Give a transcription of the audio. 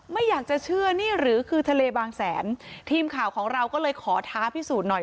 ไม่อยากจะเชื่อนี่หรือคือทะเลบางแสนทีมข่าวของเราก็เลยขอท้าพิสูจน์หน่อย